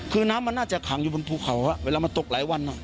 คือน้ำมันน่าจะขังอยู่บนภูเขาเวลามันตกหลายวัน